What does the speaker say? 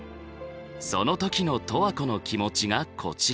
その時の十和子の気持ちがこちら。